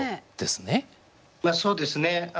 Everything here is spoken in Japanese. そうですね